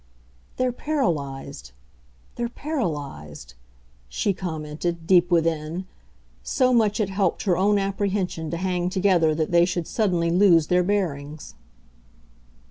"They're paralysed, they're paralysed!" she commented, deep within; so much it helped her own apprehension to hang together that they should suddenly lose their bearings.